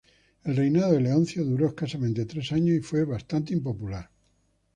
El reinado de Leoncio duró escasamente tres años y fue bastante impopular.